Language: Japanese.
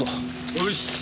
よし。